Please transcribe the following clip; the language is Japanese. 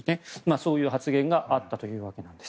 そういう発言があったわけなんです。